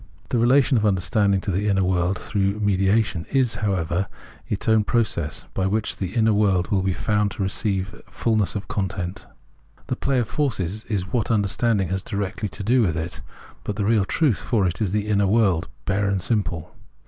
The relation of understanding to the inner world through mediation is, however, its own process, by which the inner world will be found to receive fullness of content. Understanding 141 The play of forces is what understanding has directly to do with ; but the real truth for it is the inner world bare and simple.